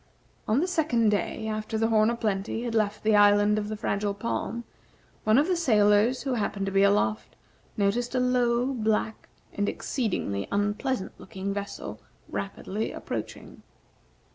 On the second day, after the "Horn o' Plenty" had left the Island of the Fragile Palm, one of the sailors who happened to be aloft noticed a low, black, and exceedingly unpleasant looking vessel rapidly approaching.